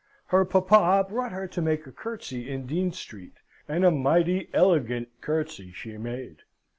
Her papa brought her to make a curtsey in Dean Street, and a mighty elegant curtsey she made.